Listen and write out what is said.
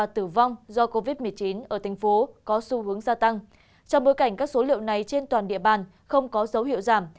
trong bối cảnh các số liệu này trên toàn địa bàn không có dấu hiệu giảm